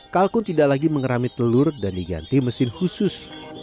kalkun tidak lagi mengerami telur dan diganti mesin khusus